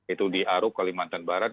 itu di aruk kalimantan barat